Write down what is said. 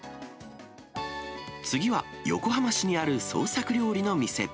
次は、横浜市にある創作料理の店。